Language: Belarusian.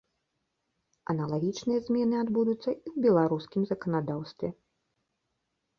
Аналагічныя змены адбудуцца і ў беларускім заканадаўстве.